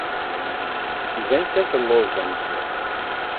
Iban kan telluẓemt.